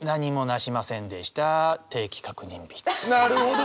なるほど！